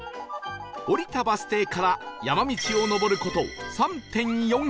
降りたバス停から山道を上る事 ３．４ キロ